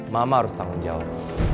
mama harus tanggung jawab